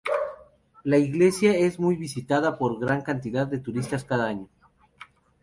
La iglesia es muy visitada por gran cantidad de turistas cada año.